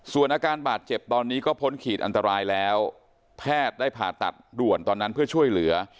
ส่วนอาการบาดเจ็บตอนนี้ก็พ้นขีดอันตรายแล้วแพทย์ได้ผ่าตัดด่วนตอนนั้นเพื่อช่วยเหลือ